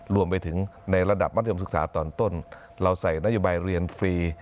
รวมไปถึงในระดับมัธยมศึกษาตอนต้นเราใส่นโยบายเรียนฟรี